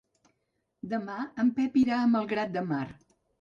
Demà en Pep irà a Malgrat de Mar.